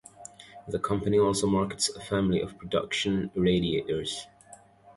The company also markets a family of production irradiators.